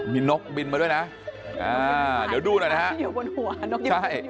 มีนกบินมาด้วยนะเดี๋ยวดูหน่อยนะครับ